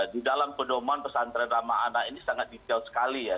di dalam pedoman pesantren ramah anak ini sangat detail sekali ya